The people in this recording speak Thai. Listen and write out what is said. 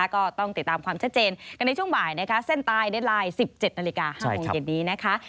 ก็ต้องติดตามความชัดเจนกันในช่วงบ่ายนะคะเส้นตายในไลน์๑๗นาฬิกา๕โมงเย็นนี้นะคะ